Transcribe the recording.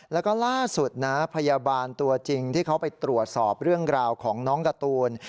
แล้วก็ล่าสุดนะพยาบาลตัวจริงที่เขาไปตรวจสอบเรื่องราวของน้องการ์ตูน